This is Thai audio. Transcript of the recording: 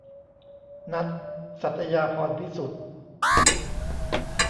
ณัฐ สัตยาภรณ์พิสุทธิ์